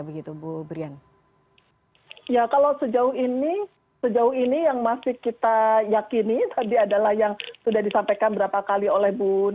ya kalau sejauh ini sejauh ini yang masih kita yakini tadi adalah yang sudah disampaikan berapa kali oleh bu